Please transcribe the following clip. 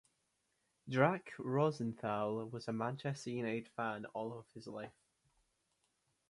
Jack Rosenthal was a Manchester United fan all his life.